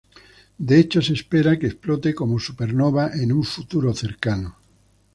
De hecho, se espera que explote como supernova en un futuro cercano.